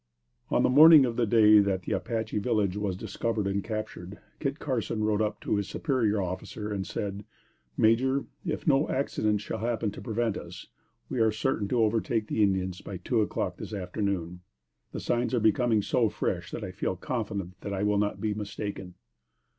On the morning of the day that the Apache village was discovered and captured, Kit Carson rode up to his superior officer and said, "Major, if no accident shall happen to prevent us, we are certain to overtake the Indians by two o'clock this afternoon. The signs are becoming so fresh that I feel confident that I will not be mistaken."